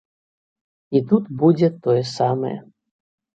І тут будзе тое самае.